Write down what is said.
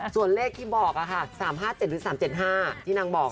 ส่วนเลขที่บอกค่ะ๓๕๗หรือ๓๗๕ที่นางบอก